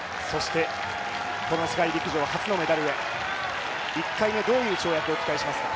この世界陸上初のメダルへ、１回目どういう跳躍を期待しますか？